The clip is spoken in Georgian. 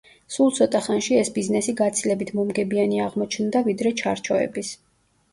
სულ ცოტა ხანში ეს ბიზნესი გაცილებით მომგებიანი აღმოჩნდა, ვიდრე ჩარჩოების.